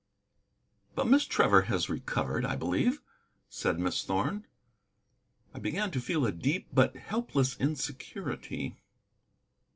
"But Miss Trevor has recovered, I believe," said Miss Thorn. I began to feel a deep, but helpless, insecurity.